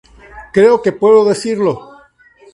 Creo que puedo decirlo.